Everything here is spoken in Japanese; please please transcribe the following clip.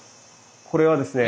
これはですね